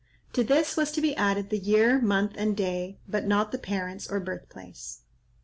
" To this was to be added the year, month, and day, but not the parents or birthplace.